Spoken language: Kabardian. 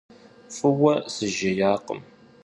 F'ıue sıjjêyakhım.